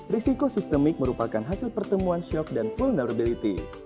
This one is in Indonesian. risiko sistemik merupakan hasil pertemuan shock dan vulnerability